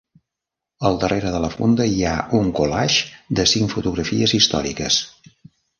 Al darrera de la funda hi ha un collage de cinc fotografies històriques.